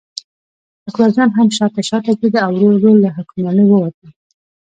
اکبرجان هم شاته شاته کېده او ورو ورو له حکمرانۍ ووتل.